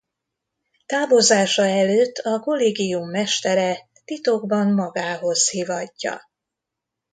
Távozása előtt a kollégium Mestere titokban magához hívatja.